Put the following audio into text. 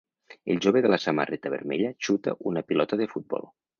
El jove de la samarreta vermella xuta una pilota de futbol.